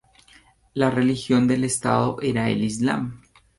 La religión del Estado era el islam.